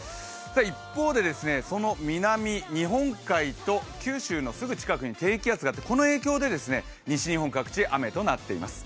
一方で、その南、日本海と九州のすぐ近くに低気圧があってこの影響で西日本各地、雨となっています。